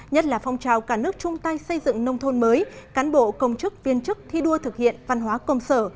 nhất là phong trào cả nước chung tay xây dựng nông thôn mới cán bộ công chức viên chức thi đua thực hiện văn hóa công sở